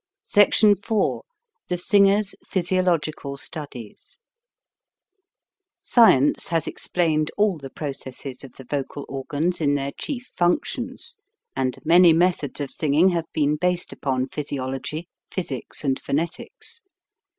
SECTION IV THE SINGEK'S PHYSIOLOGICAL STUDIES SCIENCE has explained all the processes of the vocal organs in their chief functions, and many methods of singing have been based upon physiology, physics, and phonetics.